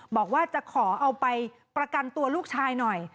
บอกว่าจะขอเอาไปประกันตัวลูกชายหน่อย